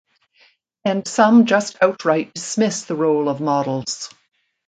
And some just outright dismiss the role of models.